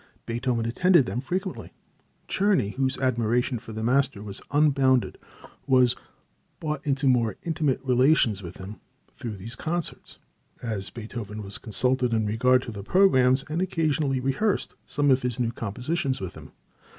Beethoven attended them frequently. Czerny, whose admiration for the master was unbounded, was brought into more intimate relations with him through these concerts, as Beethoven was consulted in regard to the programmes and occasionally rehearsed some of his new compositions with him.